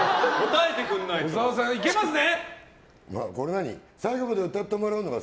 小沢さん、いけますね！